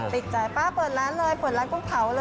ติดใจป้าเปิดร้านเลยเปิดร้านกุ้งเผาเลย